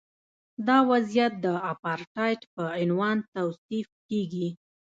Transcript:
دا وضعیت د اپارټایډ په عنوان توصیف کیږي.